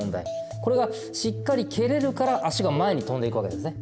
これがしっかり蹴れるから足が前にとんでいくわけですね。